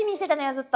ずっと。